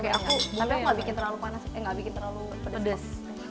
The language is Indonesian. tapi aku gak bikin terlalu panas eh nggak bikin terlalu pedes